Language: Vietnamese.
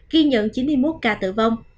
ghi nhận chín mươi một ca tử vong